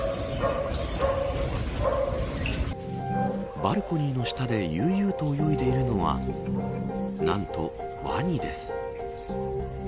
バルコニーの下で悠々と泳いでいるのはなんとワニです。